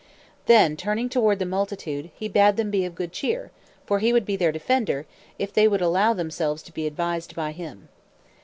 Then, turning toward the multitude, he bade them be of good cheer; for he would be their defender, if they would allow themselves to be advised by him.